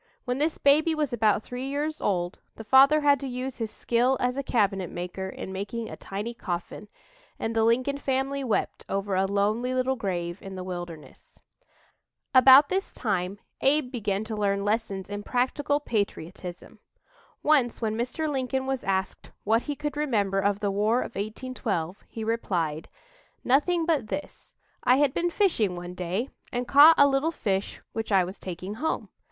When this baby was about three years old, the father had to use his skill as a cabinet maker in making a tiny coffin, and the Lincoln family wept over a lonely little grave in the wilderness. About this time Abe began to learn lessons in practical patriotism. Once when Mr. Lincoln was asked what he could remember of the War of 1812, he replied: "Nothing but this: I had been fishing one day and caught a little fish which I was taking home.